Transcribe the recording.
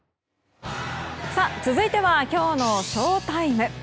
続いてはきょうのＳＨＯＴＩＭＥ。